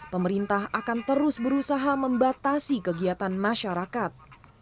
pemerintah akan terus berusaha membatasi kegiatan masyarakat